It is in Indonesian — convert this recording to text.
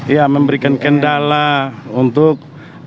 iya memberikan kendala untuk